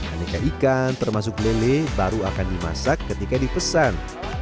aneka ikan termasuk lele baru akan dimasak ketika dipesan